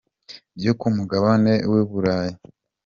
byo ku mugabane Burayi.